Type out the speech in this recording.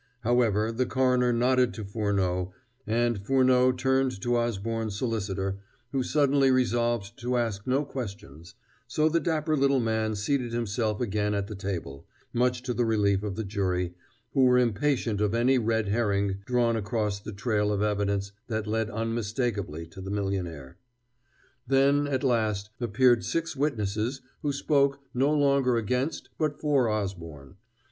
However, the coroner nodded to Furneaux, and Furneaux turned to Osborne's solicitor, who suddenly resolved to ask no questions, so the dapper little man seated himself again at the table much to the relief of the jury, who were impatient of any red herring drawn across the trail of evidence that led unmistakably to the millionaire. Then, at last, appeared six witnesses who spoke, no longer against, but for Osborne.